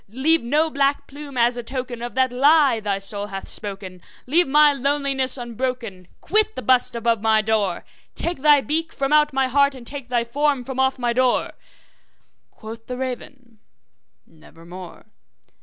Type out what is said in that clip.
Leave no black plume as a token of that lie thy soul hath spoken! Leave my loneliness unbroken! quit the bust above my door! Take thy beak from out my heart, and take thy form from off my door!' Quoth the raven, `Nevermore.'